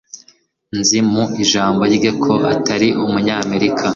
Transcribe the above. Nzi mu ijambo rye ko atari Umunyamerika.